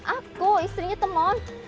aku istrinya temon